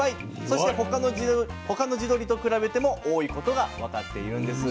そして他の地鶏と比べても多いことが分かっているんです。